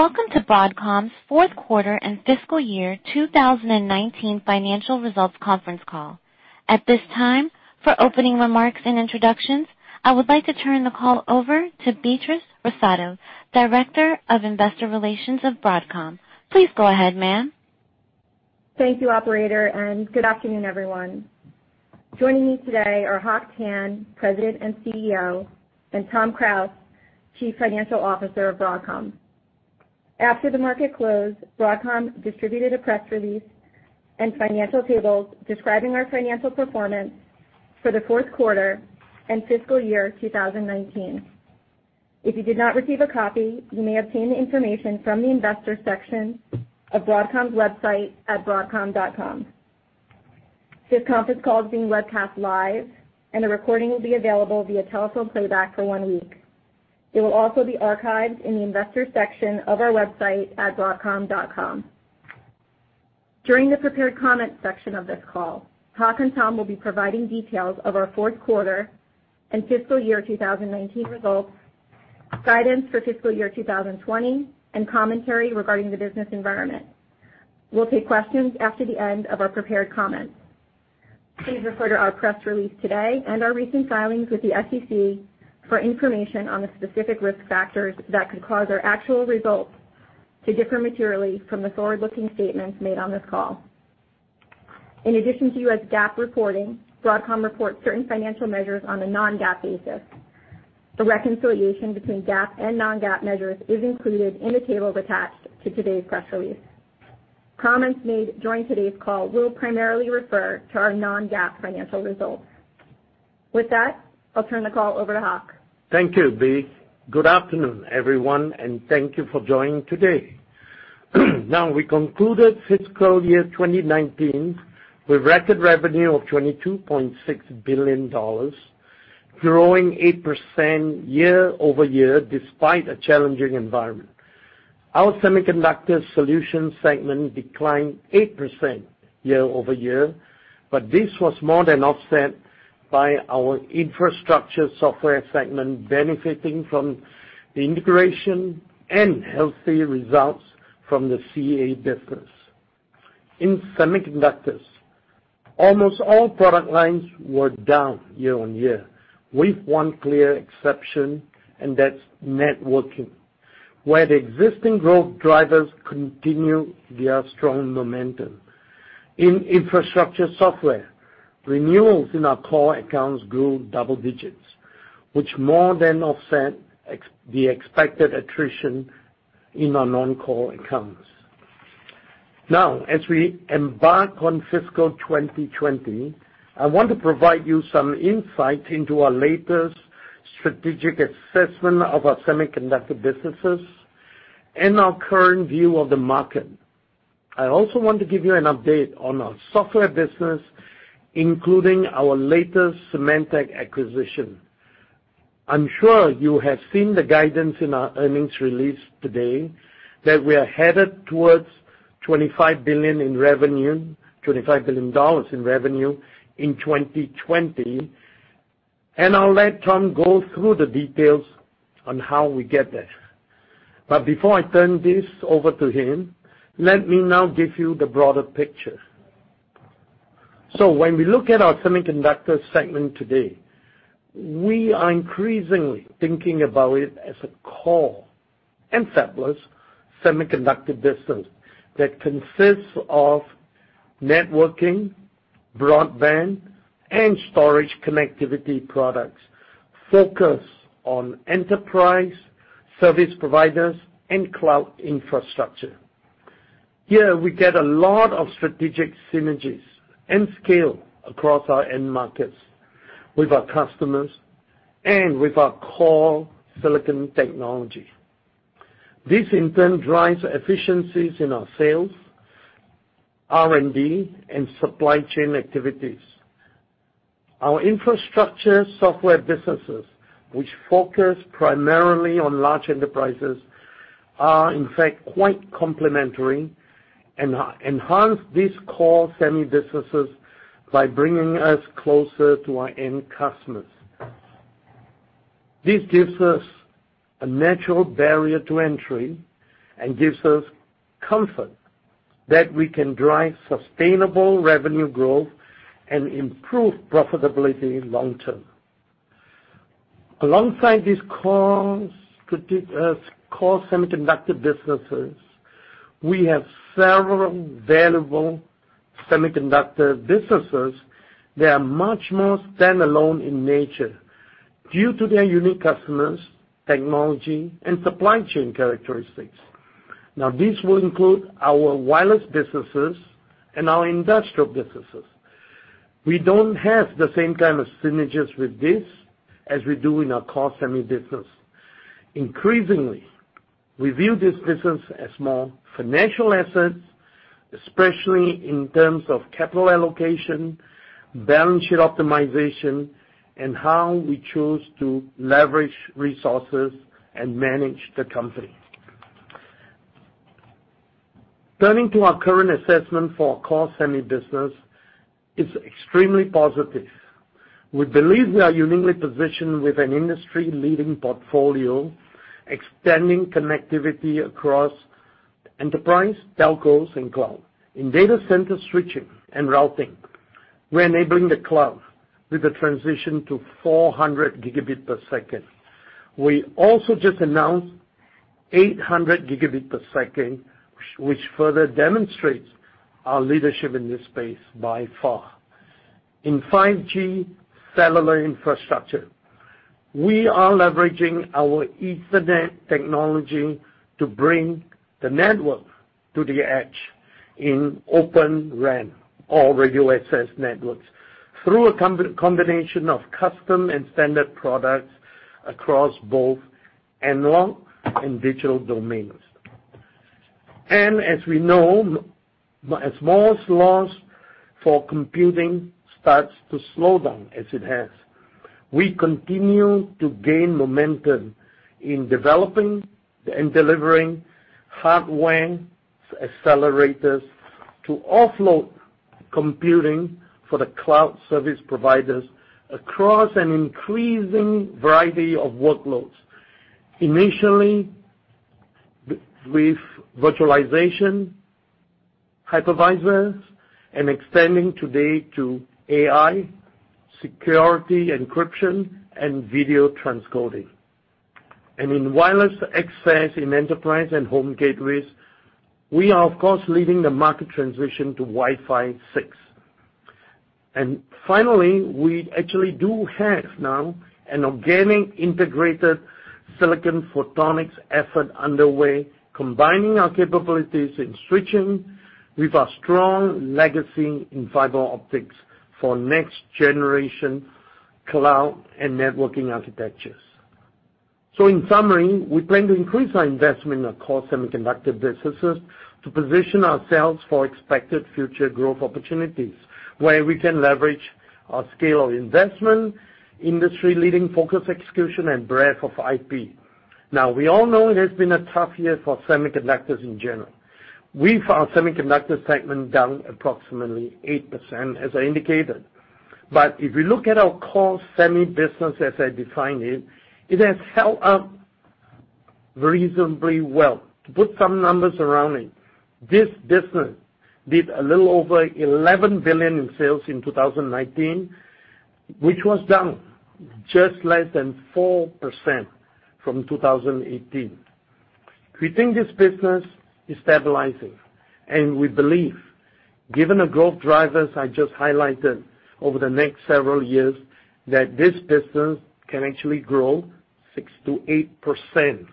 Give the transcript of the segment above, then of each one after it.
Welcome to Broadcom's fourth quarter and fiscal year 2019 financial results conference call. At this time, for opening remarks and introductions, I would like to turn the call over to Beatrice Russotto, Director of Investor Relations of Broadcom. Please go ahead, ma'am. Thank you, operator. Good afternoon, everyone. Joining me today are Hock Tan, President and CEO, and Tom Krause, Chief Financial Officer of Broadcom. After the market closed, Broadcom distributed a press release and financial tables describing our financial performance for the fourth quarter and fiscal year 2019. If you did not receive a copy, you may obtain the information from the investor section of Broadcom's website at broadcom.com. This conference call is being webcast live. A recording will be available via telephone playback for one week. It will also be archived in the investors section of our website at broadcom.com. During the prepared comment section of this call, Hock and Tom will be providing details of our fourth quarter and fiscal year 2019 results, guidance for fiscal year 2020, and commentary regarding the business environment. We'll take questions after the end of our prepared comments. Please refer to our press release today and our recent filings with the SEC for information on the specific risk factors that could cause our actual results to differ materially from the forward-looking statements made on this call. In addition to U.S. GAAP reporting, Broadcom reports certain financial measures on a non-GAAP basis. A reconciliation between GAAP and non-GAAP measures is included in the tables attached to today's press release. Comments made during today's call will primarily refer to our non-GAAP financial results. With that, I'll turn the call over to Hock. Thank you, Bea. Good afternoon, everyone, and thank you for joining today. We concluded fiscal year 2019 with record revenue of $22.6 billion, growing 8% year-over-year despite a challenging environment. Our semiconductor solutions segment declined 8% year-over-year, but this was more than offset by our infrastructure software segment benefiting from the integration and healthy results from the CA business. In semiconductors, almost all product lines were down year-on-year, with one clear exception, and that's networking, where the existing growth drivers continue their strong momentum. In infrastructure software, renewals in our core accounts grew double digits, which more than offset the expected attrition in our non-core accounts. As we embark on fiscal 2020, I want to provide you some insight into our latest strategic assessment of our semiconductor businesses and our current view of the market. I also want to give you an update on our software business, including our latest Symantec acquisition. I'm sure you have seen the guidance in our earnings release today that we are headed towards $25 billion in revenue, $25 billion in revenue in 2020. I'll let Tom go through the details on how we get there. Before I turn this over to him, let me now give you the broader picture. When we look at our semiconductor segment today, we are increasingly thinking about it as a core and fabless semiconductor business that consists of networking, broadband, and storage connectivity products focused on enterprise, service providers, and cloud infrastructure. Here we get a lot of strategic synergies and scale across our end markets with our customers and with our core silicon technology. This in turn drives efficiencies in our sales, R&D, and supply chain activities. Our infrastructure software businesses, which focus primarily on large enterprises, are, in fact, quite complementary and enhance these core semi businesses by bringing us closer to our end customers. This gives us a natural barrier to entry and gives us comfort that we can drive sustainable revenue growth and improve profitability long term. Alongside these core semiconductor businesses, we have several valuable semiconductor businesses that are much more standalone in nature due to their unique customers, technology, and supply chain characteristics. This will include our wireless businesses and our industrial businesses. We don't have the same kind of synergies with this as we do in our core semi business. Increasingly, we view this business as more financial assets, especially in terms of capital allocation, balance sheet optimization, and how we choose to leverage resources and manage the company. Turning to our current assessment for our core semi business, it's extremely positive. We believe we are uniquely positioned with an industry-leading portfolio, extending connectivity across enterprise, telcos, and cloud. In data center switching and routing, we're enabling the cloud with a transition to 400 Gigabit per second. We also just announced 800 Gigabit per second, which further demonstrates our leadership in this space by far. In 5G cellular infrastructure, we are leveraging our Ethernet technology to bring the network to the edge in Open RAN or radio access networks through a combination of custom and standard products across both analog and digital domains. As we know, as Moore's Law for computing starts to slow down as it has, we continue to gain momentum in developing and delivering hardware accelerators to offload computing for the cloud service providers across an increasing variety of workloads. Initially, with virtualization hypervisors and extending today to AI, security, encryption, and video transcoding. In wireless access in enterprise and home gateways, we are, of course, leading the market transition to Wi-Fi 6. Finally, we actually do have now an organic integrated silicon photonics effort underway, combining our capabilities in switching with our strong legacy in fiber optics for next generation cloud and networking architectures. In summary, we plan to increase our investment in our core semiconductor businesses to position ourselves for expected future growth opportunities, where we can leverage our scale of investment, industry-leading focus execution, and breadth of IP. We all know it has been a tough year for semiconductors in general. We found semiconductor segment down approximately 8%, as I indicated. If you look at our core semi business as I defined it has held up reasonably well. To put some numbers around it, this business did a little over $11 billion in sales in 2019, which was down just less than 4% from 2018. We think this business is stabilizing, and we believe, given the growth drivers I just highlighted over the next several years, that this business can actually grow 6%-8%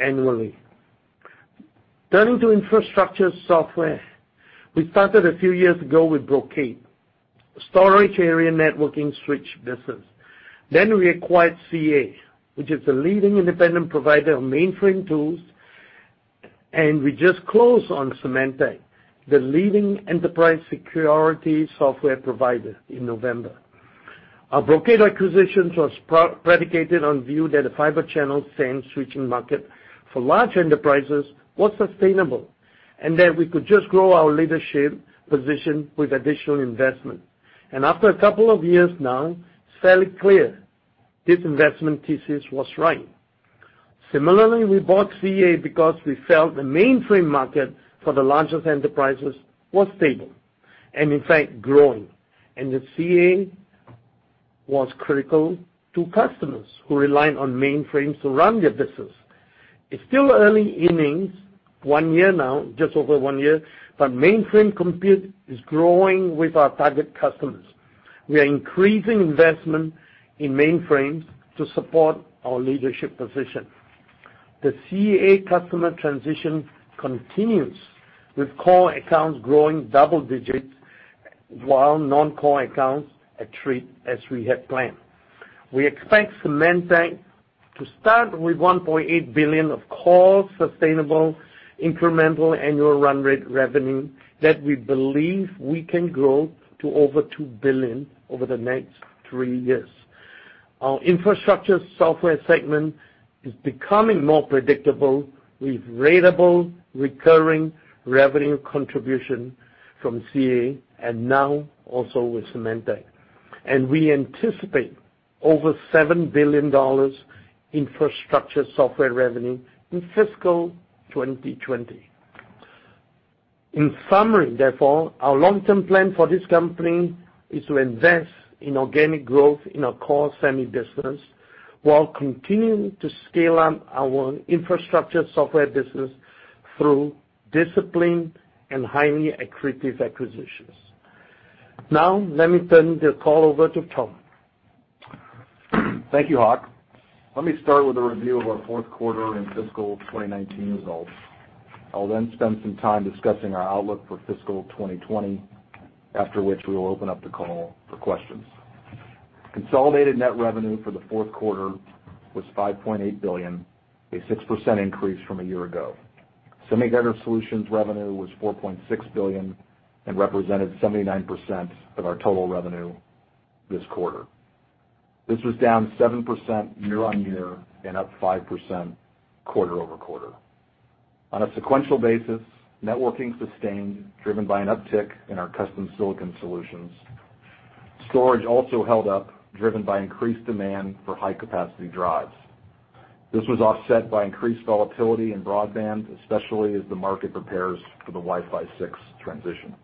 annually. Turning to infrastructure software, we started a few years ago with Brocade, a storage area networking switch business. We acquired CA, which is the leading independent provider of mainframe tools, and we just closed on Symantec, the leading enterprise security software provider, in November. Our Brocade acquisitions was predicated on view that a fiber channel SAN switching market for large enterprises was sustainable and that we could just grow our leadership position with additional investment. After a couple of years now, it's fairly clear this investment thesis was right. Similarly, we bought CA because we felt the mainframe market for the largest enterprises was stable and in fact growing. That CA was critical to customers who relied on mainframes to run their business. It's still early innings, one year now, just over one year, but mainframe compute is growing with our target customers. We are increasing investment in mainframes to support our leadership position. The CA customer transition continues with core accounts growing double digits while non-core accounts attrit as we had planned. We expect Symantec to start with $1.8 billion of core sustainable incremental annual run rate revenue that we believe we can grow to over $2 billion over the next three years. Our infrastructure software segment is becoming more predictable with ratable recurring revenue contribution from CA and now also with Symantec. We anticipate over $7 billion infrastructure software revenue in fiscal 2020. In summary, therefore, our long-term plan for this company is to invest in organic growth in our core semi business while continuing to scale up our infrastructure software business through disciplined and highly accretive acquisitions. Now, let me turn the call over to Tom. Thank you, Hock. Let me start with a review of our fourth quarter and fiscal 2019 results. I'll then spend some time discussing our outlook for fiscal 2020, after which we will open up the call for questions. Consolidated net revenue for the fourth quarter was $5.8 billion, a 6% increase from a year ago. Semiconductor solutions revenue was $4.6 billion and represented 79% of our total revenue this quarter. This was down 7% year-on-year and up 5% quarter-over-quarter. On a sequential basis, networking sustained, driven by an uptick in our custom silicon solutions. Storage also held up, driven by increased demand for high-capacity drives. This was offset by increased volatility in broadband, especially as the market prepares for the Wi-Fi 6 transition.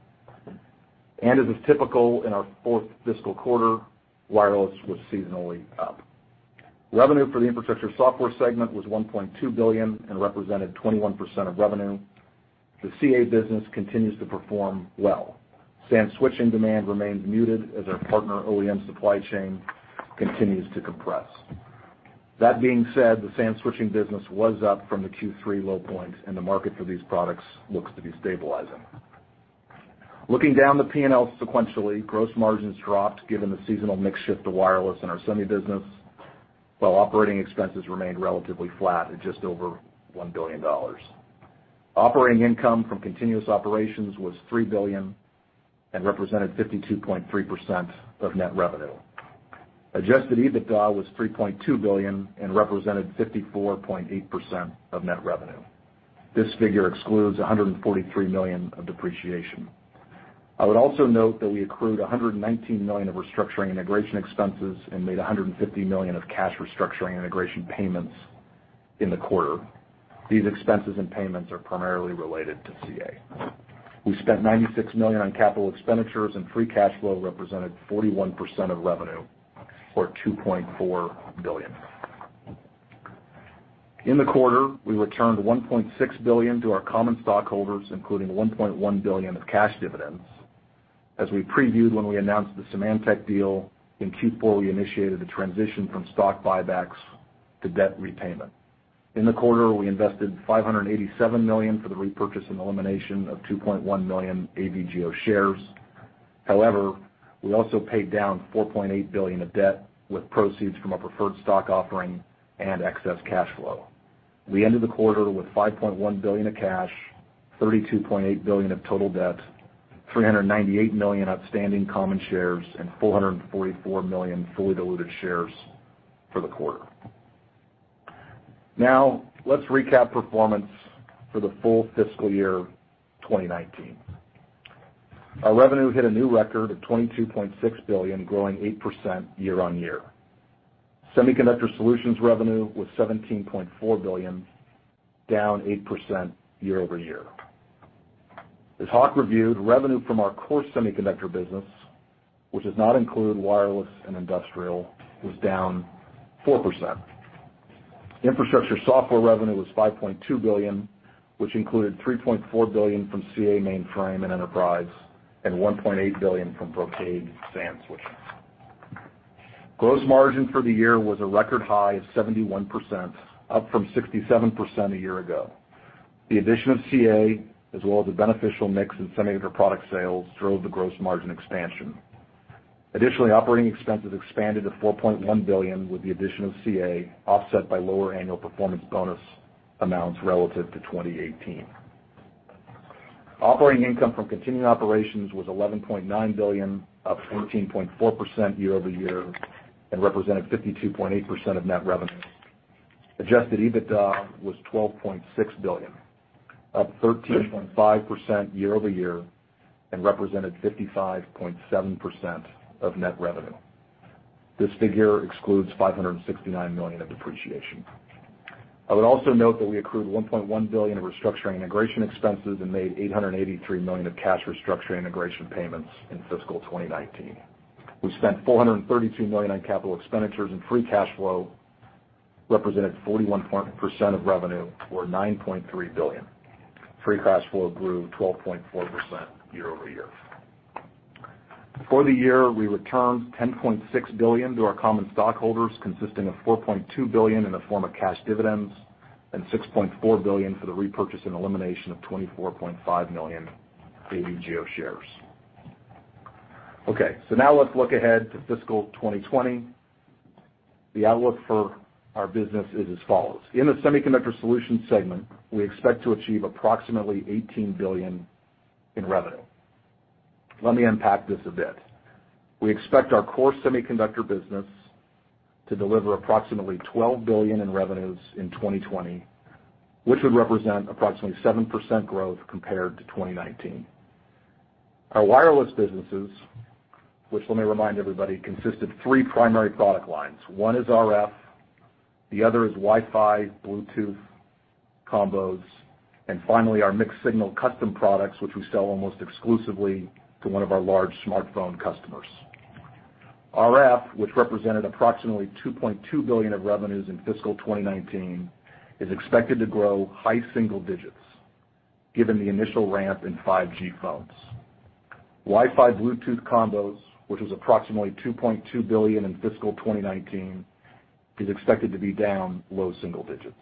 As is typical in our fourth fiscal quarter, wireless was seasonally up. Revenue for the infrastructure software segment was $1.2 billion and represented 21% of revenue. The CA business continues to perform well. SAN switching demand remains muted as our partner OEM supply chain continues to compress. That being said, the SAN switching business was up from the Q3 low point, and the market for these products looks to be stabilizing. Looking down the P&L sequentially, gross margins dropped given the seasonal mix shift to wireless in our semi business, while operating expenses remained relatively flat at just over $1 billion. Operating income from continuing operations was $3 billion and represented 52.3% of net revenue. Adjusted EBITDA was $3.2 billion and represented 54.8% of net revenue. This figure excludes $143 million of depreciation. I would also note that we accrued $119 million of restructuring integration expenses and made $150 million of cash restructuring integration payments in the quarter. These expenses and payments are primarily related to CA. We spent $96 million on capital expenditures, and free cash flow represented 41% of revenue, or $2.4 billion. In the quarter, we returned $1.6 billion to our common stockholders, including $1.1 billion of cash dividends. As we previewed when we announced the Symantec deal, in Q4, we initiated the transition from stock buybacks to debt repayment. In the quarter, we invested $587 million for the repurchase and elimination of 2.1 million AVGO shares. However, we also paid down $4.8 billion of debt with proceeds from our preferred stock offering and excess cash flow. We ended the quarter with $5.1 billion of cash, $32.8 billion of total debt, 398 million outstanding common shares, and 444 million fully diluted shares for the quarter. Now, let's recap performance for the full fiscal year 2019. Our revenue hit a new record of $22.6 billion, growing 8% year-on-year. Semiconductor solutions revenue was $17.4 billion, down 8% year-over-year. As Hock reviewed, revenue from our core semiconductor business, which does not include wireless and industrial, was down 4%. Infrastructure software revenue was $5.2 billion, which included $3.4 billion from CA mainframe and enterprise and $1.8 billion from Brocade SAN switching. Gross margin for the year was a record high of 71%, up from 67% a year ago. The addition of CA, as well as a beneficial mix in semiconductor product sales, drove the gross margin expansion. Additionally, operating expenses expanded to $4.1 billion, with the addition of CA offset by lower annual performance bonus amounts relative to 2018. Operating income from continuing operations was $11.9 billion, up 14.4% year-over-year and represented 52.8% of net revenue. Adjusted EBITDA was $12.6 billion, up 13.5% year-over-year and represented 55.7% of net revenue. This figure excludes $569 million of depreciation. I would also note that we accrued $1.1 billion of restructuring integration expenses and made $883 million of cash restructuring integration payments in fiscal 2019. We spent $432 million on capital expenditures, and free cash flow represented 41% of revenue or $9.3 billion. Free cash flow grew 12.4% year-over-year. For the year, we returned $10.6 billion to our common stockholders, consisting of $4.2 billion in the form of cash dividends and $6.4 billion for the repurchase and elimination of 24.5 million AVGO shares. Now let's look ahead to fiscal 2020. The outlook for our business is as follows. In the Semiconductor Solutions segment, we expect to achieve approximately $18 billion in revenue. Let me unpack this a bit. We expect our core semiconductor business to deliver approximately $12 billion in revenues in 2020, which would represent approximately 7% growth compared to 2019. Our wireless businesses, which let me remind everybody consist of three primary product lines. One is RF, the other is Wi-Fi/Bluetooth combos, and finally, our mixed signal custom products, which we sell almost exclusively to one of our large smartphone customers. RF, which represented approximately $2.2 billion of revenues in fiscal 2019, is expected to grow high single digits given the initial ramp in 5G phones. Wi-Fi/Bluetooth combos, which was approximately $2.2 billion in fiscal 2019, is expected to be down low single digits.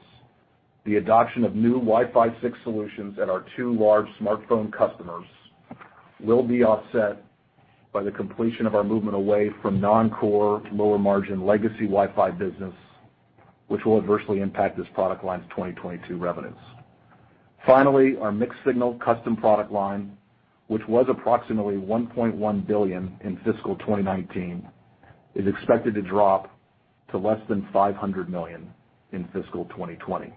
The adoption of new Wi-Fi 6 solutions at our two large smartphone customers will be offset by the completion of our movement away from non-core to lower-margin legacy Wi-Fi business, which will adversely impact this product line's 2022 revenues. Finally, our mixed signal custom product line, which was approximately $1.1 billion in fiscal 2019, is expected to drop to less than $500 million in fiscal 2020.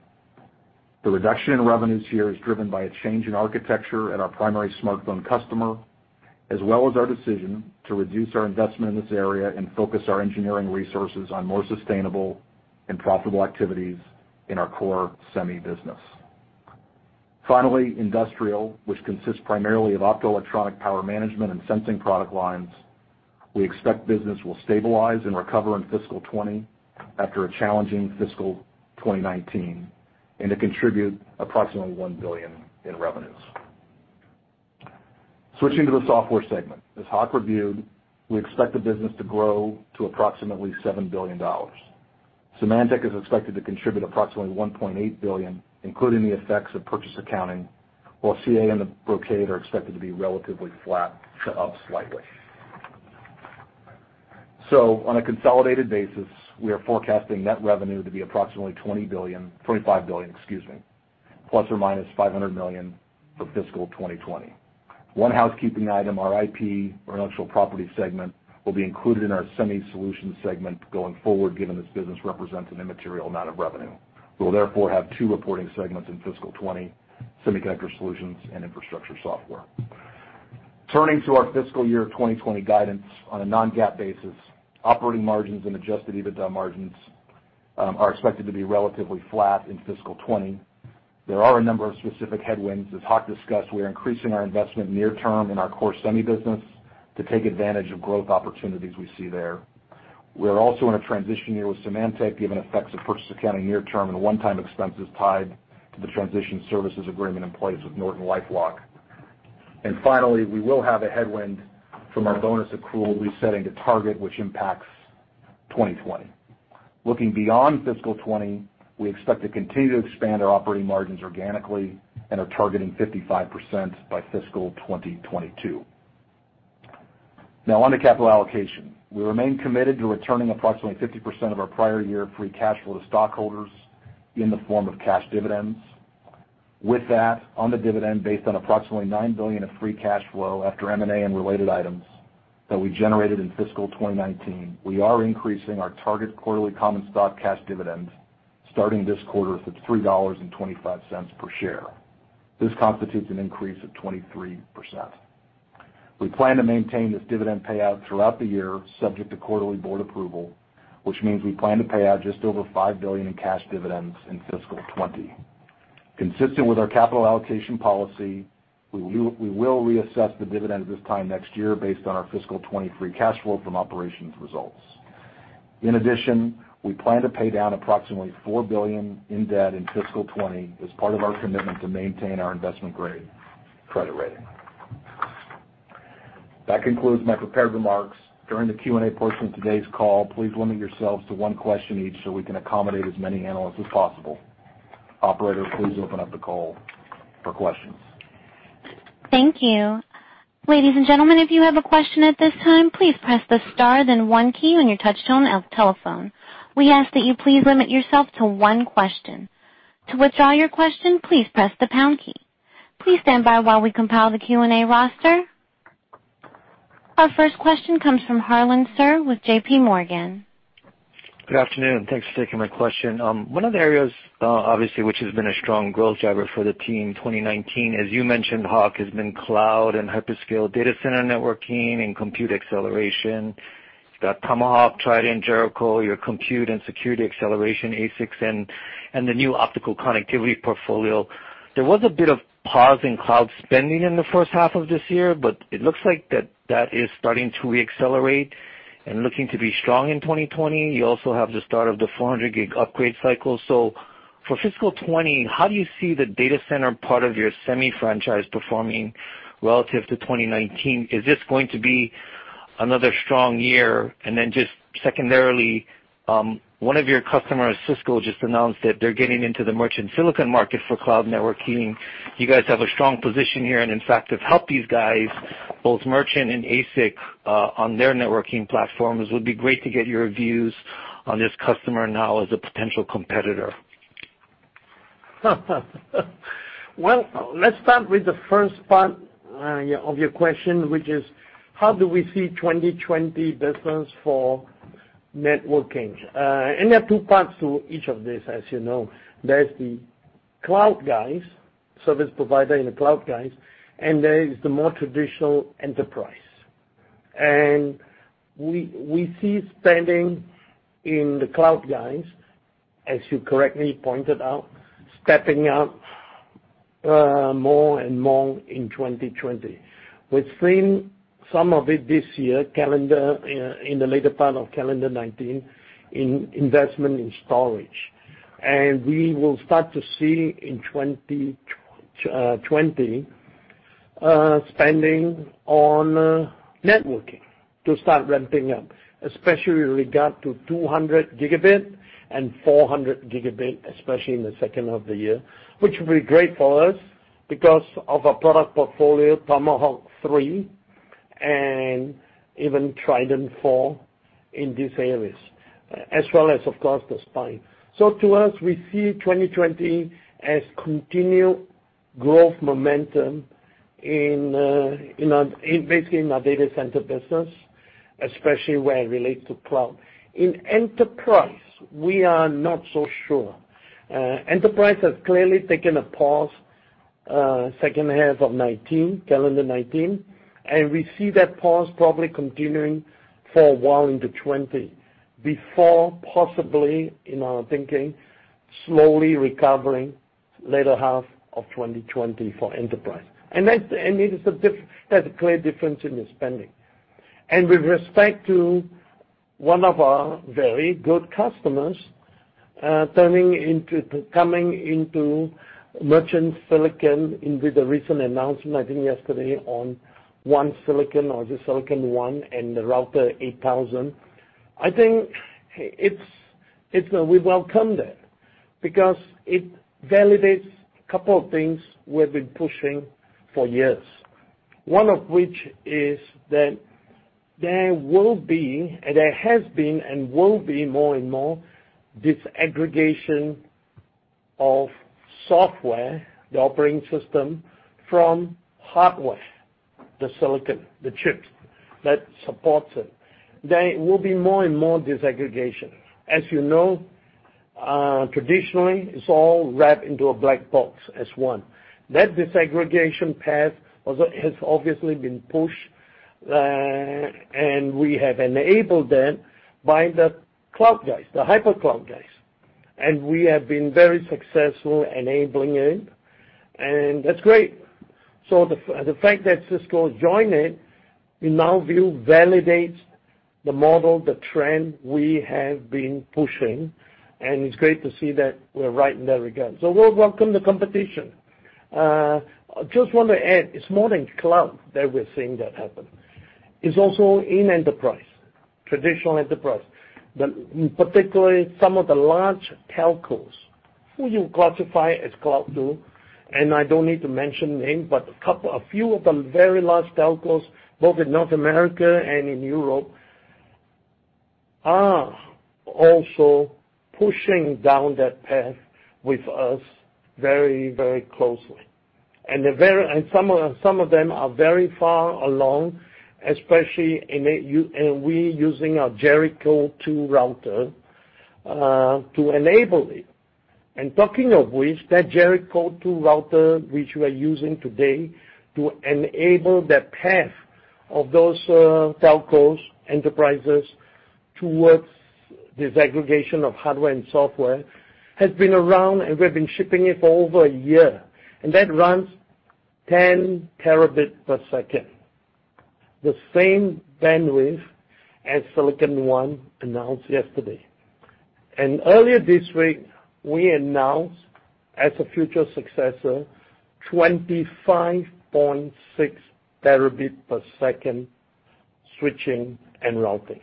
The reduction in revenues here is driven by a change in architecture at our primary smartphone customer, as well as our decision to reduce our investment in this area and focus our engineering resources on more sustainable and profitable activities in our core semi business. Finally, industrial, which consists primarily of optoelectronic power management and sensing product lines. We expect business will stabilize and recover in fiscal 2020 after a challenging fiscal 2019, and to contribute approximately $1 billion in revenues. Switching to the software segment. As Hock reviewed, we expect the business to grow to approximately $7 billion. Symantec is expected to contribute approximately $1.8 billion, including the effects of purchase accounting, while CA and Brocade are expected to be relatively flat to up slightly. On a consolidated basis, we are forecasting net revenue to be approximately $25 billion ±$500 million for fiscal 2020. One housekeeping item, our IP, intellectual property segment, will be included in our Semiconductor Solutions segment going forward, given this business represents an immaterial amount of revenue. We will therefore have two reporting segments in fiscal 2020, Semiconductor Solutions and Infrastructure Software. Turning to our fiscal year 2020 guidance on a non-GAAP basis, operating margins and adjusted EBITDA margins are expected to be relatively flat in fiscal 2020. There are a number of specific headwinds. As Hock discussed, we are increasing our investment near term in our core semi business to take advantage of growth opportunities we see there. We are also in a transition year with Symantec, given effects of purchase accounting near term and one-time expenses tied to the transition services agreement in place with NortonLifeLock. Finally, we will have a headwind from our bonus accrual resetting to target, which impacts 2020. Looking beyond fiscal 2020, we expect to continue to expand our operating margins organically and are targeting 55% by fiscal 2022. Now on to capital allocation. We remain committed to returning approximately 50% of our prior year free cash flow to stockholders in the form of cash dividends. With that, on the dividend, based on approximately $9 billion of free cash flow after M&A and related items that we generated in fiscal 2019, we are increasing our target quarterly common stock cash dividend starting this quarter to $3.25 per share. This constitutes an increase of 23%. We plan to maintain this dividend payout throughout the year, subject to quarterly board approval, which means we plan to pay out just over $5 billion in cash dividends in fiscal 2020. Consistent with our capital allocation policy, we will reassess the dividend this time next year based on our fiscal 2020 free cash flow from operations results. In addition, we plan to pay down approximately $4 billion in debt in fiscal 2020 as part of our commitment to maintain our investment-grade credit rating. That concludes my prepared remarks. During the Q&A portion of today's call, please limit yourselves to one question each so we can accommodate as many analysts as possible. Operator, please open up the call for questions. Thank you. Ladies and gentlemen, if you have a question at this time, please press the star then one key on your touchtone telephone. We ask that you please limit yourself to one question. To withdraw your question, please press the pound key. Please stand by while we compile the Q&A roster. Our first question comes from Harlan Sur with JP Morgan. Good afternoon. Thanks for taking my question. One of the areas, obviously, which has been a strong growth driver for the team, 2019, as you mentioned, Hock, has been cloud and hyperscale data center networking and compute acceleration. You've got Tomahawk, Trident, Jericho, your compute and security acceleration ASICs, and the new optical connectivity portfolio. There was a bit of pause in cloud spending in the first half of this year, but it looks like that is starting to re-accelerate and looking to be strong in 2020. You also have the start of the 400 gig upgrade cycle. For fiscal 2020, how do you see the data center part of your semi franchise performing relative to 2019? Is this going to be another strong year? Then just secondarily, one of your customers, Cisco, just announced that they're getting into the merchant silicon market for cloud networking. You guys have a strong position here and, in fact, have helped these guys, both merchant and ASIC, on their networking platforms. It would be great to get your views on this customer now as a potential competitor. Well, let's start with the first part of your question, which is how do we see 2020 business for networking? There are two parts to each of these, as you know. There's the cloud guys, service provider and the cloud guys, and there is the more traditional enterprise. We see spending in the cloud guys, as you correctly pointed out, stepping up more and more in 2020. We've seen some of it this year, in the later part of calendar 2019, in investment in storage. We will start to see in 2020 spending on networking to start ramping up, especially with regard to 200 Gigabit and 400 Gigabit, especially in the second half of the year, which will be great for us because of our product portfolio, Tomahawk 3. Even Trident 4 in these areas, as well as, of course, the spine. To us, we see 2020 as continued growth momentum basically in our data center business, especially where it relates to cloud. In enterprise, we are not so sure. Enterprise has clearly taken a pause second half of 2019, calendar 2019, and we see that pause probably continuing for a while into 2020 before possibly, in our thinking, slowly recovering latter half of 2020 for enterprise. That's a clear difference in the spending. With respect to one of our very good customers coming into merchant silicon with the recent announcement, I think yesterday, on Silicon One and the Router 8000, I think we welcome that because it validates a couple of things we have been pushing for years. One of which is that there has been and will be more and more disaggregation of software, the operating system, from hardware, the silicon, the chip that supports it. There will be more and more disaggregation. As you know, traditionally, it's all wrapped into a black box as one. That disaggregation path has obviously been pushed, and we have enabled that by the cloud guys, the hypercloud guys. We have been very successful enabling it, and that's great. The fact that Cisco has joined it, we now view validates the model, the trend we have been pushing, and it's great to see that we're right in that regard. We'll welcome the competition. I just want to add, it's more than cloud that we're seeing that happen. It's also in enterprise, traditional enterprise, particularly some of the large telcos, who you classify as cloud too, I don't need to mention names, but a few of the very large telcos, both in North America and in Europe, are also pushing down that path with us very closely. Some of them are very far along, especially in we using our Jericho2 router to enable it. Talking of which, that Jericho2 router, which we are using today to enable that path of those telcos, enterprises, towards disaggregation of hardware and software, has been around and we've been shipping it for over a year. That runs 10 Terabit per second, the same bandwidth as Silicon One announced yesterday. Earlier this week, we announced, as a future successor, 25.6 Terabit per second switching and routing.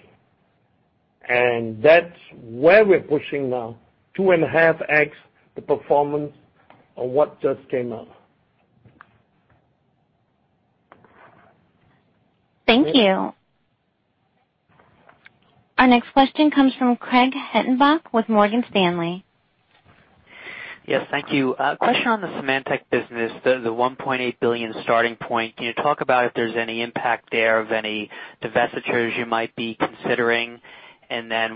That's where we're pushing now, 2.5x the performance of what just came out. Thank you. Our next question comes from Craig Hettenbach with Morgan Stanley. Yes, thank you. A question on the Symantec business, the $1.8 billion starting point. Can you talk about if there's any impact there of any divestitures you might be considering?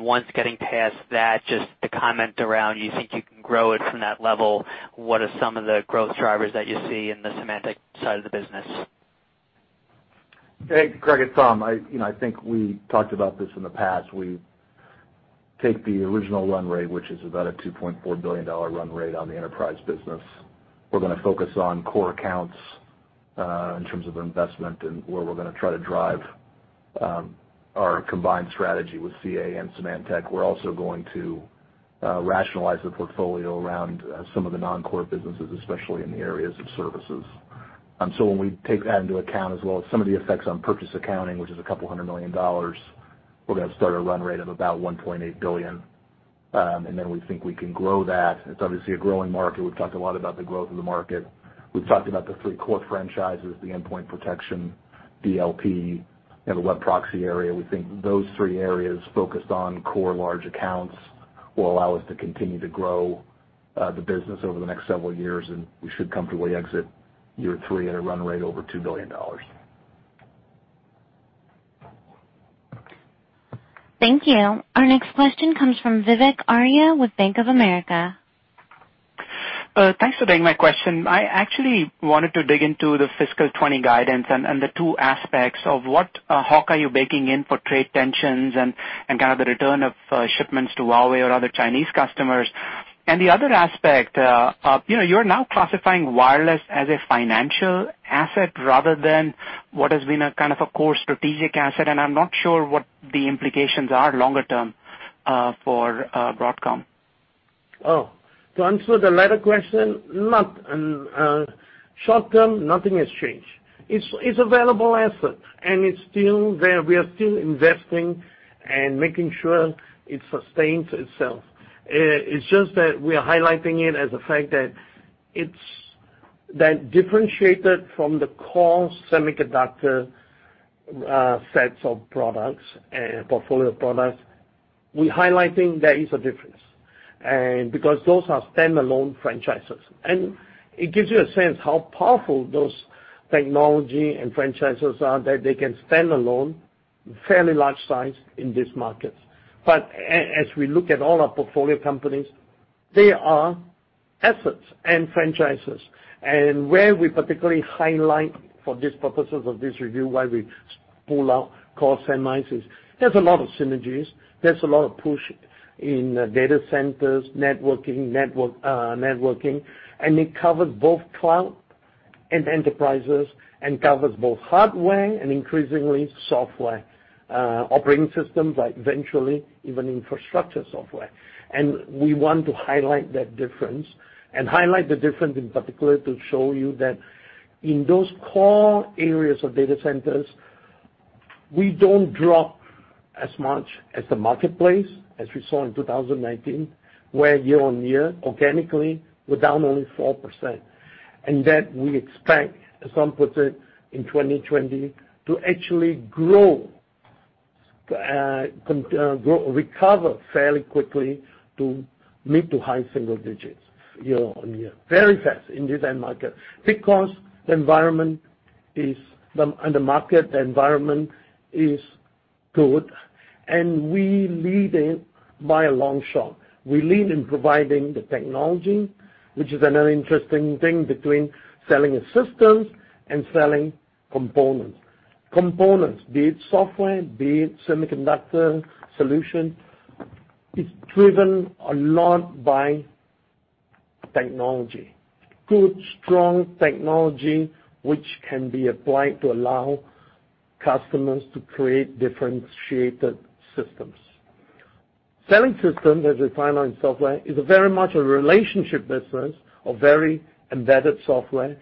Once getting past that, just the comment around you think you can grow it from that level, what are some of the growth drivers that you see in the Symantec side of the business? Hey, Craig, it's Tom. I think we talked about this in the past. We take the original run rate, which is about a $2.4 billion run rate on the enterprise business. We're going to focus on core accounts, in terms of investment and where we're going to try to drive our combined strategy with CA and Symantec. We're also going to rationalize the portfolio around some of the non-core businesses, especially in the areas of services. When we take that into account as well as some of the effects on purchase accounting, which is about $200 million, we're going to start a run rate of about $1.8 billion. We think we can grow that. It's obviously a growing market. We've talked a lot about the growth of the market. We've talked about the three core franchises, the endpoint protection, DLP, and the web proxy area. We think those three areas focused on core large accounts will allow us to continue to grow the business over the next several years, and we should comfortably exit year three at a run rate over $2 billion. Thank you. Our next question comes from Vivek Arya with Bank of America. Thanks for taking my question. I actually wanted to dig into the fiscal 2020 guidance and the two aspects of what Hock are you baking in for trade tensions and the return of shipments to Huawei or other Chinese customers. The other aspect, you're now classifying wireless as a financial asset rather than what has been a core strategic asset, and I'm not sure what the implications are longer term for Broadcom. Oh, to answer the latter question, short-term, nothing has changed. It's a valuable asset, and we are still investing and making sure it sustains itself. It's just that we are highlighting it as a fact that it's that differentiated from the core semiconductor sets of products and portfolio products. We're highlighting there is a difference, because those are standalone franchises. It gives you a sense how powerful those technology and franchises are that they can stand alone fairly large size in these markets. As we look at all our portfolio companies, they are assets and franchises. Where we particularly highlight for this purposes of this review, why we pull out core semis is there's a lot of synergies, there's a lot of push in data centers, networking, and it covers both cloud and enterprises, and covers both hardware and increasingly software, operating systems, eventually even infrastructure software. We want to highlight that difference and highlight the difference in particular to show you that in those core areas of data centers, we don't drop as much as the marketplace as we saw in 2019, where year-on-year, organically, we're down only 4%. That we expect, as I puts it, in 2020 to actually grow, recover fairly quickly to mid to high single digits year-on-year. Very fast in this end market because the market environment is good and we lead it by a long shot. We lead in providing the technology, which is another interesting thing between selling a systems and selling components. Components, be it software, be it semiconductor solution, is driven a lot by technology. Good, strong technology, which can be applied to allow customers to create differentiated systems. Selling systems, as we define on software, is a very much a relationship business of very embedded software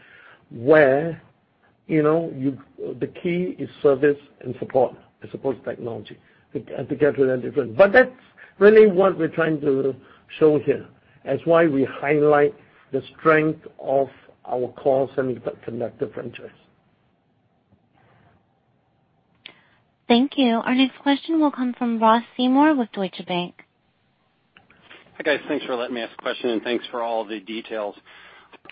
where the key is service and support as opposed to technology. To get to that difference. That's really what we're trying to show here. That's why we highlight the strength of our core semiconductor franchise. Thank you. Our next question will come from Ross Seymore with Deutsche Bank. Hi, guys. Thanks for letting me ask the question and thanks for all the details.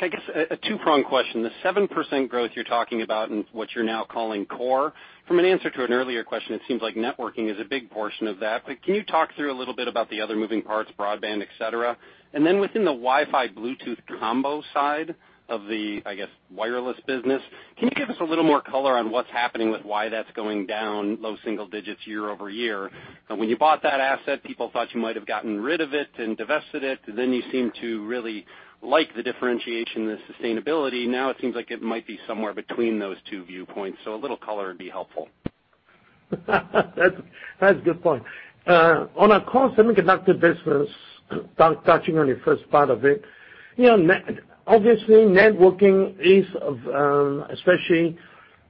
I guess a two-pronged question. The 7% growth you're talking about in what you're now calling core, from an answer to an earlier question, it seems like networking is a big portion of that. Can you talk through a little bit about the other moving parts, broadband, et cetera? Within the Wi-Fi/Bluetooth combo side of the, I guess, wireless business, can you give us a little more color on what's happening with why that's going down low single digits year-over-year? When you bought that asset, people thought you might have gotten rid of it and divested it, then you seem to really like the differentiation, the sustainability. Now it seems like it might be somewhere between those two viewpoints, a little color would be helpful. That's a good point. On our core semiconductor business, touching on your first part of it. Obviously, networking is, especially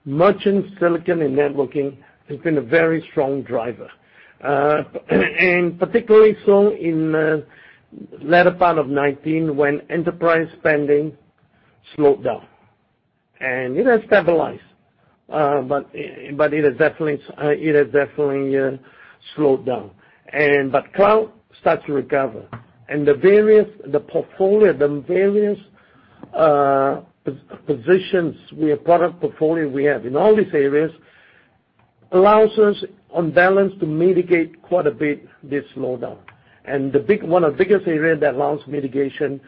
merchant silicon and networking, has been a very strong driver. Particularly so in the latter part of 2019 when enterprise spending slowed down. It has stabilized, but it has definitely slowed down. Cloud starts to recover and the various positions, product portfolio we have in all these areas allows us on balance to mitigate quite a bit this slowdown. One of the biggest area that allows mitigation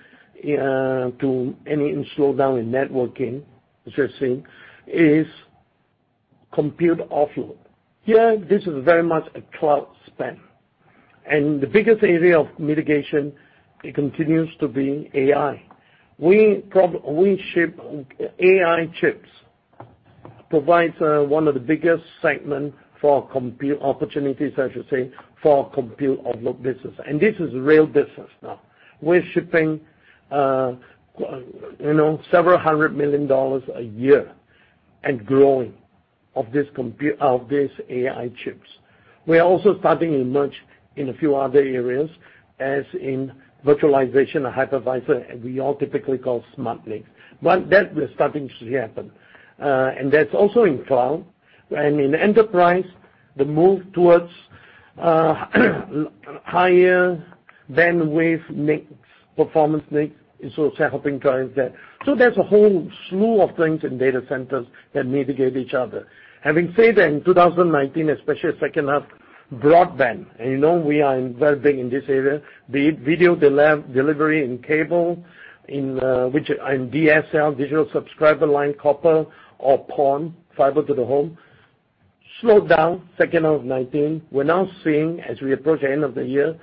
to any slowdown in networking, I should say, is compute offload. Here, this is very much a cloud spend. The biggest area of mitigation, it continues to be AI. AI chips provides one of the biggest segment for compute opportunities, I should say, for compute offload business. This is real business now. We're shipping $several hundred million a year and growing of these AI chips. We're also starting to emerge in a few other areas, as in virtualization or hypervisor, we all typically call SmartNIC. That we're starting to happen. That's also in cloud and in enterprise, the move towards higher bandwidth mix, performance mix is also helping drive that. There's a whole slew of things in data centers that mitigate each other. Having said that, in 2019, especially second half, broadband, and you know we are very big in this area, be it video delivery in cable, in DSL, digital subscriber line copper or PON, fiber to the home, slowed down second half of 2019. We're now seeing, as we approach the end of the year,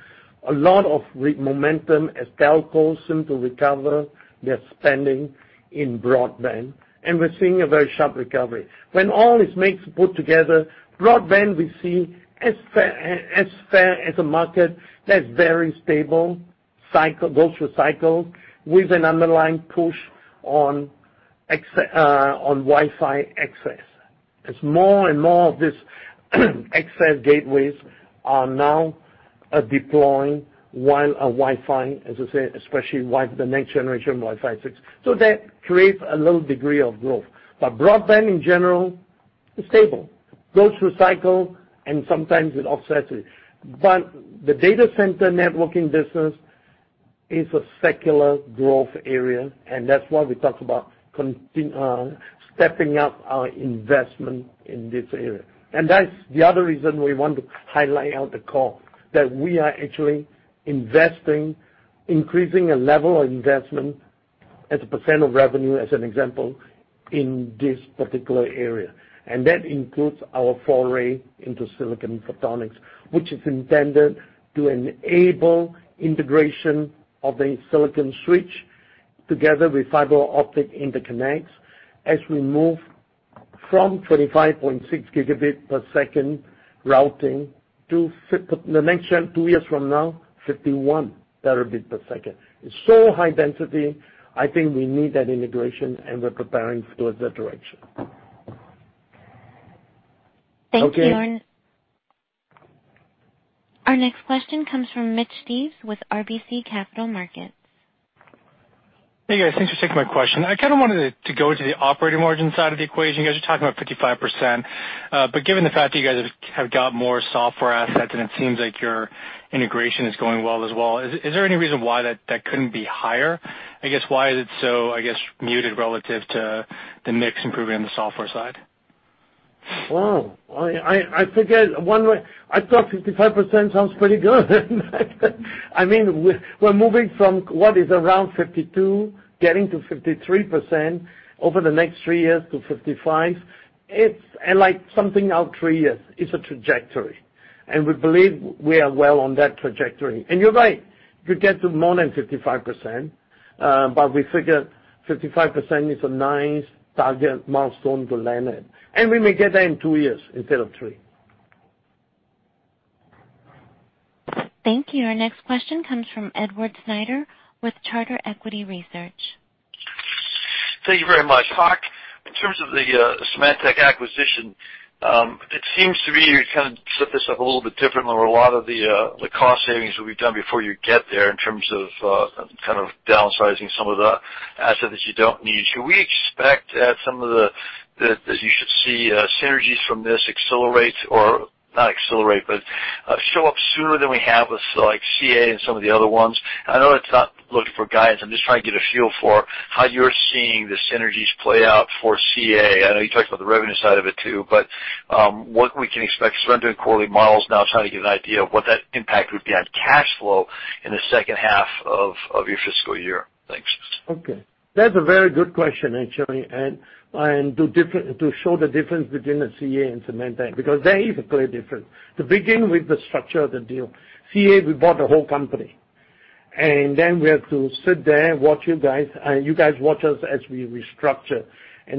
a lot of momentum as telcos seem to recover their spending in broadband, and we're seeing a very sharp recovery. When all is mixed, put together, broadband we see as fair as a market that's very stable, goes through cycles with an underlying push on Wi-Fi access. As more and more of these access gateways are now deploying Wi-Fi, as I said, especially the next generation Wi-Fi 6. That creates a little degree of growth. Broadband in general is stable, goes through cycle, and sometimes it offsets it. The data center networking business is a secular growth area, and that's why we talked about stepping up our investment in this area. That's the other reason we want to highlight out the call, that we are actually increasing a level of investment as a % of revenue, as an example, in this particular area. That includes our foray into silicon photonics, which is intended to enable integration of a silicon switch together with fiber optic interconnects as we move from 25.6 gigabit per second routing to, two years from now, 51.2 terabit per second. It's so high density, I think we need that integration, and we're preparing towards that direction. Thank you, Tom. Okay. Our next question comes from Mitch Steves with RBC Capital Markets. Hey, guys. Thanks for taking my question. I kind of wanted to go to the operating margin side of the equation. Given the fact that you guys have got more software assets and it seems like your integration is going well as well, is there any reason why that couldn't be higher? I guess why is it so muted relative to the mix improving on the software side? Wow. I thought 55% sounds pretty good. I mean, we're moving from what is around 52%, getting to 53% over the next three years to 55%. It's like something out three years. It's a trajectory. We believe we are well on that trajectory. You're right. We get to more than 55%, but we figure 55% is a nice target milestone to land at, and we may get there in two years instead of three. Thank you. Our next question comes from Edward Snyder with Charter Equity Research. Thank you very much. Hock, in terms of the Symantec acquisition, it seems to me you kind of set this up a little bit differently where a lot of the cost savings will be done before you get there in terms of downsizing some of the assets you don't need. Should we expect that some of the, as you should see, synergies from this show up sooner than we have with CA and some of the other ones? I know it's not looking for guidance, I'm just trying to get a feel for how you're seeing the synergies play out for CA. I know you talked about the revenue side of it too, but what we can expect because we're doing quarterly models now, trying to get an idea of what that impact would be on cash flow in the second half of your fiscal year? Thanks. Okay. That's a very good question, actually. To show the difference between the CA and Symantec, because there is a clear difference. To begin with the structure of the deal. CA, we bought the whole company, we have to sit there and you guys watch us as we restructure.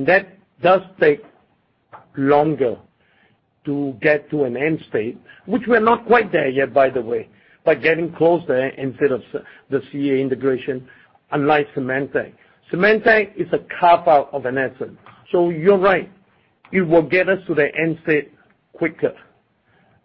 That does take longer to get to an end state, which we're not quite there yet, by the way, but getting close there in terms of the CA integration, unlike Symantec. Symantec is a carve-out of an asset. You're right. It will get us to the end state quicker,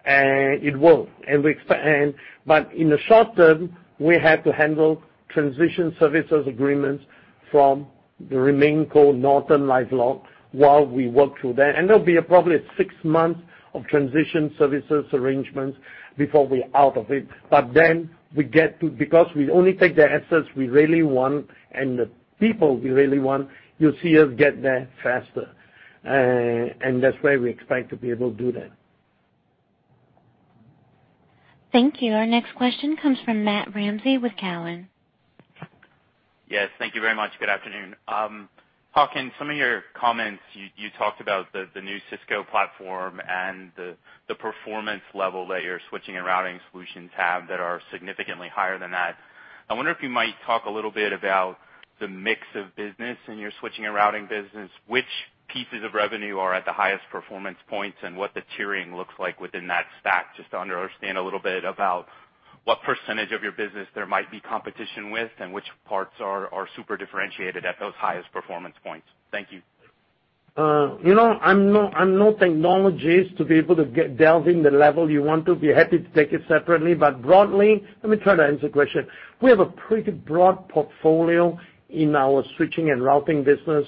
and it will. In the short term, we have to handle transition services agreements from the remaining core, NortonLifeLock, while we work through that. There'll be a probably six months of transition services arrangements before we out of it. Because we only take the assets we really want and the people we really want, you'll see us get there faster. That's where we expect to be able to do that. Thank you. Our next question comes from Matthew Ramsay with Cowen. Yes, thank you very much. Good afternoon. Hock, in some of your comments, you talked about the new Cisco platform and the performance level that your switching and routing solutions have that are significantly higher than that. I wonder if you might talk a little bit about the mix of business in your switching and routing business, which pieces of revenue are at the highest performance points, and what the tiering looks like within that stack, just to understand a little bit about what percentage of your business there might be competition with, and which parts are super differentiated at those highest performance points. Thank you. I'm no technologist to be able to delve in the level you want to. Be happy to take it separately, but broadly, let me try to answer the question. We have a pretty broad portfolio in our switching and routing business.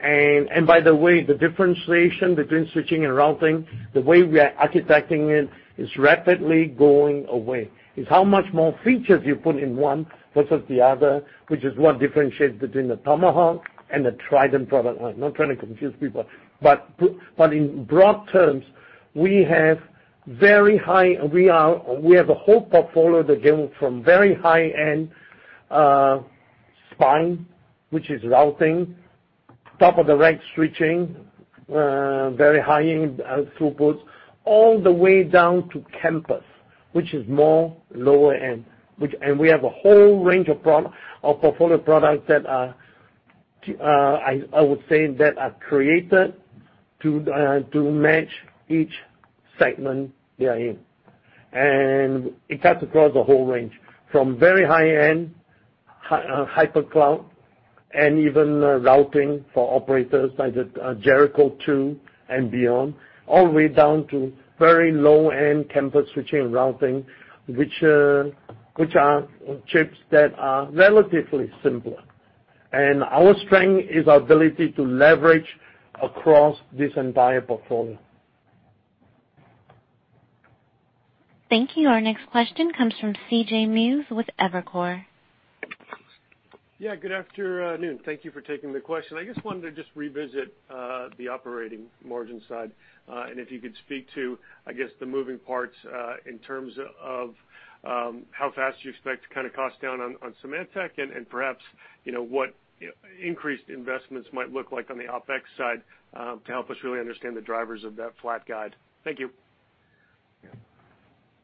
By the way, the differentiation between switching and routing, the way we are architecting it, is rapidly going away. It's how much more features you put in one versus the other, which is what differentiates between the Tomahawk and the Trident product line. Not trying to confuse people, but in broad terms, we have a whole portfolio that goes from very high end spine, which is routing, top-of-rack switching, very high-end throughput, all the way down to campus, which is more lower end. We have a whole range of portfolio products that I would say that are created to match each segment they are in. It cuts across a whole range from very high-end hypercloud and even routing for operators like the Jericho2 and beyond, all the way down to very low-end campus switching and routing, which are chips that are relatively simpler. Our strength is our ability to leverage across this entire portfolio. Thank you. Our next question comes from C.J. Muse with Evercore. Yeah, good afternoon. Thank you for taking the question. I just wanted to revisit the operating margin side. If you could speak to, I guess, the moving parts, in terms of how fast you expect to cost down on Symantec and perhaps what increased investments might look like on the OpEx side, to help us really understand the drivers of that flat guide. Thank you.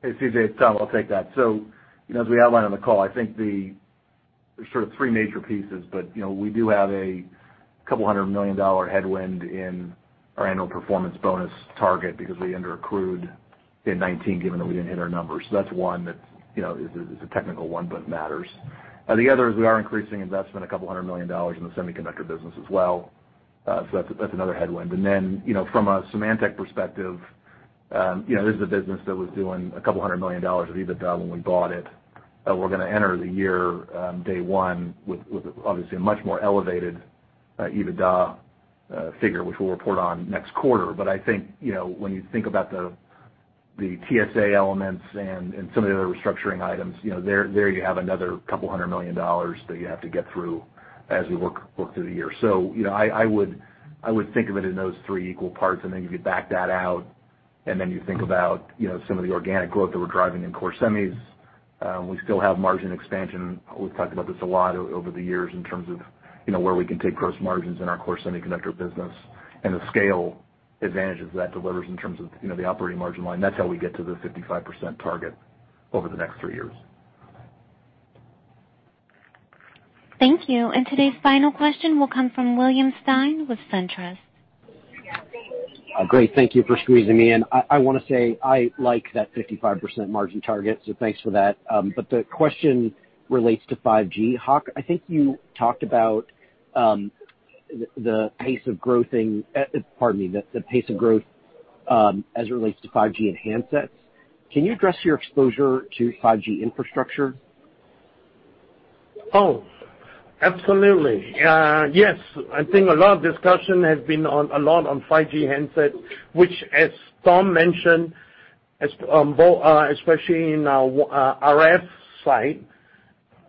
Hey, C.J., it's Tom. I'll take that. As we outlined on the call, I think there's sort of three major pieces. We do have a $200 million headwind in our annual performance bonus target because we underaccrued in 2019, given that we didn't hit our numbers. That's one that is a technical one, but matters. The other is we are increasing investment $200 million in the semiconductor business as well. That's another headwind. From a Symantec perspective, this is a business that was doing $200 million of EBITDA when we bought it. We're going to enter the year, day one, with obviously a much more elevated EBITDA figure, which we'll report on next quarter. I think, when you think about the TSA elements and some of the other restructuring items, there you have another couple hundred million dollars that you have to get through as we work through the year. I would think of it in those three equal parts, and then you could back that out, and then you think about some of the organic growth that we're driving in Core semis. We still have margin expansion. We've talked about this a lot over the years in terms of where we can take gross margins in our Core semiconductor business and the scale advantages that delivers in terms of the operating margin line. That's how we get to the 55% target over the next three years. Thank you. Today's final question will come from William Stein with SunTrust. Great. Thank you for squeezing me in. I want to say, I like that 55% margin target. Thanks for that. The question relates to 5G. Hock, I think you talked about the pace of growth as it relates to 5G and handsets. Can you address your exposure to 5G infrastructure? Oh, absolutely. Yes. I think a lot of discussion has been a lot on 5G handsets, which, as Tom mentioned, especially in our RF side,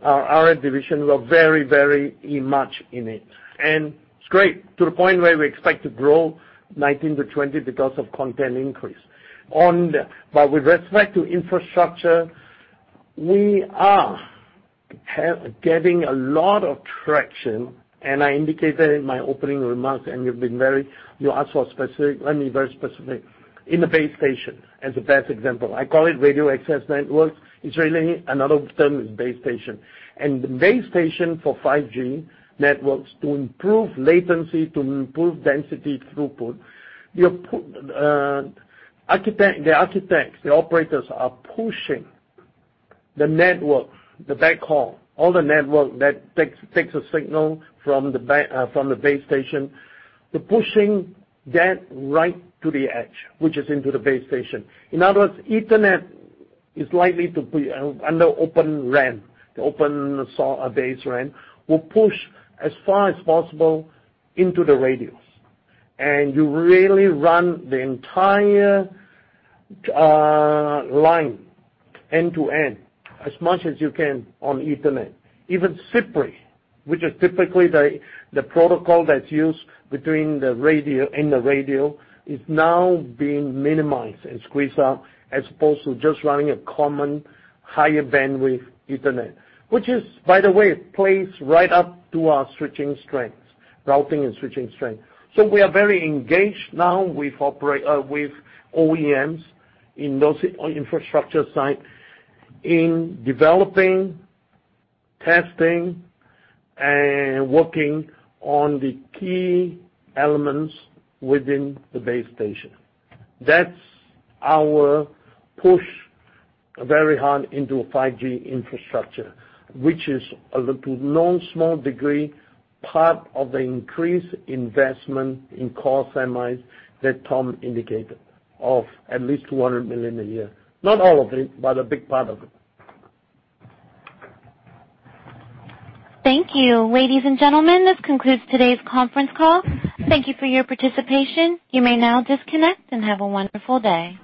our RF division, we're very much in it. It's great. To the point where we expect to grow 19%-20% because of content increase. With respect to infrastructure, we are getting a lot of traction, and I indicated in my opening remarks, and you asked for specific, let me be very specific. In the base station as the best example. I call it radio access network. It's really another term is base station. The base station for 5G networks to improve latency, to improve density throughput, the architects, the operators are pushing the networks, the backhaul, all the network that takes a signal from the base station. They're pushing that right to the edge, which is into the base station. In other words, Ethernet is likely to be under Open RAN. The open base RAN will push as far as possible into the radios, and you really run the entire line end to end as much as you can on Ethernet. Even CPRI, which is typically the protocol that's used in the radio, is now being minimized and squeezed out as opposed to just running a common higher bandwidth Ethernet. Which is, by the way, plays right up to our routing and switching strength. We are very engaged now with OEMs in those infrastructure site in developing, testing, and working on the key elements within the base station. That's our push very hard into 5G infrastructure, which is, to no small degree, part of the increased investment in Core Semis that Tom indicated of at least $200 million a year. Not all of it, but a big part of it. Thank you. Ladies and gentlemen, this concludes today's conference call. Thank you for your participation. You may now disconnect and have a wonderful day.